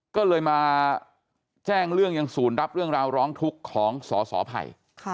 ก็เลยมาแจ้งเรื่องยังศูนย์รับเรื่องราวร้องทุกข์ของสสไผ่